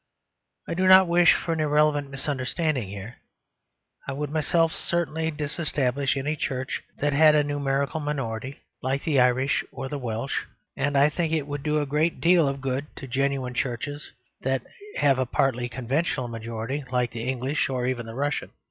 I do not wish for an irrelevant misunderstanding here; I would myself certainly disestablish any church that had a numerical minority, like the Irish or the Welsh; and I think it would do a great deal of good to genuine churches that have a partly conventional majority, like the English, or even the Russian.